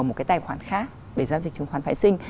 một cái tài khoản khác để giao dịch chứng khoán phái sinh